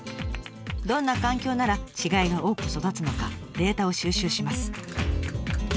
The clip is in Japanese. どんな環境なら稚貝が多く育つのかデータを収集します。